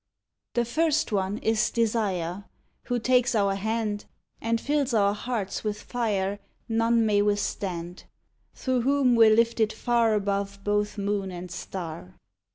The first one is Desire, Who takes our hand And fills our hearts with fire None may withstand; Through whom we're lifted far Above both moon and star.